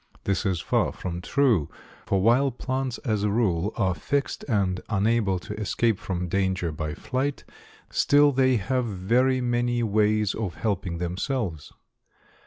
This is far from true, for while plants as a rule are fixed and unable to escape from danger by flight, still they have very many ways of helping themselves.